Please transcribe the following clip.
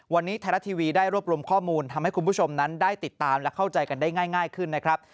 วันนี้ไทยรัฐทีวีได้รวบรวมข้อมูลทำให้คุณผู้ชมนั้นได้ติดตามและเข้าใจกันได้ง่ายขึ้นนะครับ